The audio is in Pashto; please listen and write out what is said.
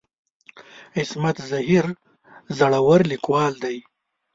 عصمت زهیر زړور ليکوال دی.